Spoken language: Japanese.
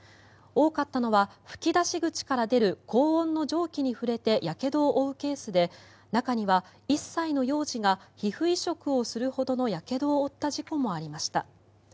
多かったのは吹き出し口から出る高温の蒸気に触れてやけどを負うケースで中には１歳の幼児が皮膚移植をするほどのやけどを負った事故もありました。